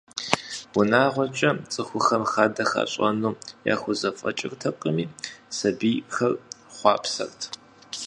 Унагъуэкӏэ цӏыхухэм хадэ хащӏэну яхузэфӏэкӏыртэкъыми, сабийхэр хъуапсэрт.